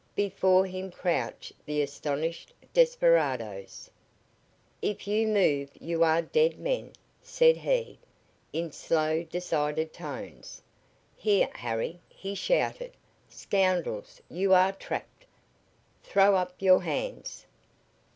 Before him crouched the astonished desperadoes. "If you move you are dead men!" said he, in slow decided tones. "Here, Harry!" he shouted. "Scoundrels, you are trapped! Throw up your hands!"